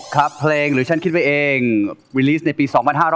ครับเพลงหรือฉันคิดไปเองวีลีสในปี๒๕๖๐